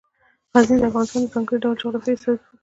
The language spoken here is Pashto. غزني د افغانستان د ځانګړي ډول جغرافیه استازیتوب کوي.